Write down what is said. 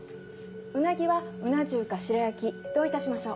ウナギはうな重か白焼きどういたしましょう？